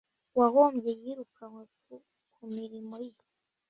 Uwahombye yirukanywe Ku Mirimo Ye